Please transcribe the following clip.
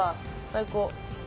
最高。